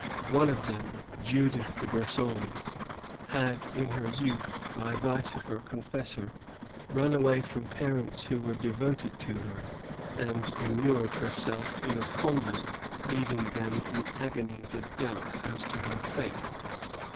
One of them, Judith de Br&oles, had in her youth, by advice of her confessor, run away from parents who were devoted to her, and immured her self in a convent, leaving them in agonies of doubt as to her fate.